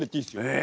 え！